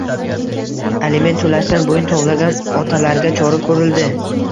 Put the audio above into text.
Aliment to‘lashdan bo‘yin tovlagan otalarga chora ko‘rilding